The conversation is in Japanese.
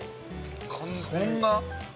そんな？